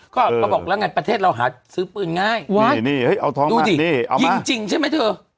ก็เขาบอกแล้วไงประเทศเราหาซื้อปืนง่ายนี่เอาท้องดูดิยิงจริงใช่ไหมเธอ